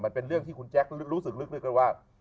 มันเป็นเรื่องที่คุณแจ๊ครู้สึกลึกกันว่า